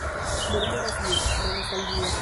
Murmuras li, la nostalgio!